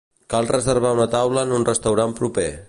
Cal reservar una taula en un restaurant proper.